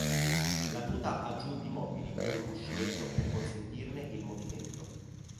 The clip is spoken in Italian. La tuta ha giunti mobili e un cuscinetto per consentirne il movimento.